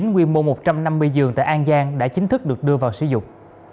quy mô một trăm năm mươi giường tại an giang đã chính thức được đưa vào sử dụng